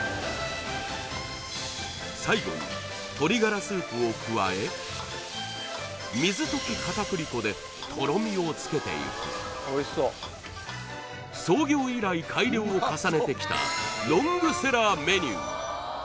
最後に鶏ガラスープを加え水溶き片栗粉でとろみをつけていく創業以来改良を重ねてきたロングセラーメニュー